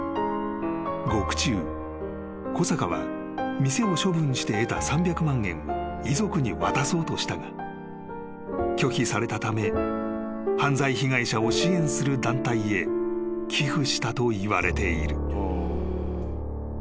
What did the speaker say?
［獄中小坂は店を処分して得た３００万円を遺族に渡そうとしたが拒否されたため犯罪被害者を支援する団体へ寄付したといわれている］